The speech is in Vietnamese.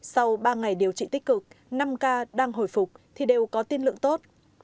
sau ba ngày điều trị tích cực năm ca đang hồi phục thì đều có tiên lượng tốt